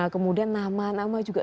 kemudian nama nama juga